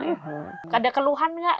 nggak ada keluhan nggak